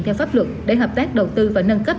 theo pháp luật để hợp tác đầu tư và nâng cấp